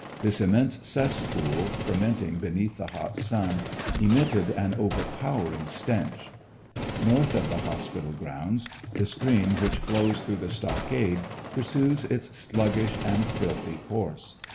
This immense cess pool, fermentinff beneath the hot suu, emitted an overpowering stench. »*»» North of the hospital grounds the stream which flows through the stockade pursues its sluggish and filthy course.